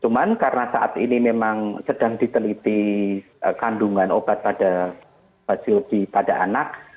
cuman karena saat ini memang sedang diteliti kandungan obat pada basiopi pada anak